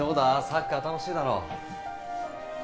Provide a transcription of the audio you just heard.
サッカー楽しいだろ